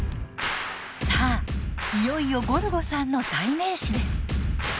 さあいよいよゴルゴさんの代名詞です